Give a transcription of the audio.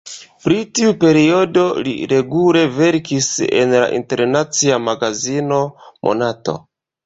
Pri tiu periodo li regule verkis en la internacia magazino Monato.